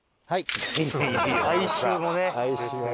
はい。